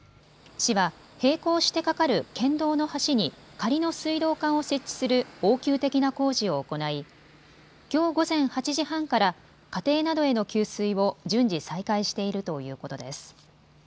市は並行して架かる県道の橋に仮の水道管を設置する応急的な工事を行いきょう午前８時半から家庭などへの給水を順次再開しているということです。